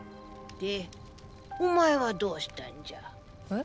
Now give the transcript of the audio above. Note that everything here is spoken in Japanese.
でお前はどうしたいんじゃ。え？